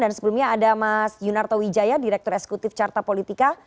dan sebelumnya ada mas yunarto wijaya direktur eksekutif carta politika